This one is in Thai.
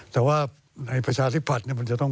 แต่ว่าในประชาธิปัตย์มันจะต้อง